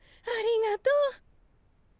ありがとう。